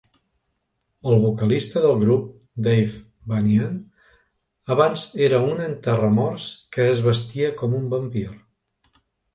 El vocalista del grup, Dave Vanian, abans era un enterramorts que es vestia com un vampir.